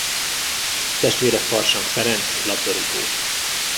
Testvére Farsang Ferenc labdarúgó.